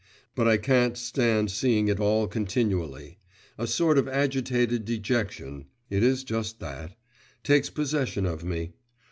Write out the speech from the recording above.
But I can't stand seeing it all continually; a sort of agitated dejection (it is just that) takes possession of me.